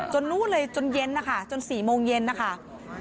นู้นเลยจนเย็นนะคะจน๔โมงเย็นนะคะ